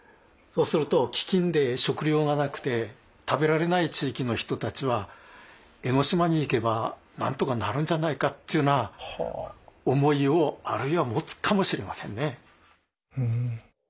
そうすると飢きんで食糧がなくて食べられない地域の人たちは「江島に行けば何とかなるんじゃないか」というような思いをあるいは持つかもしれませんね。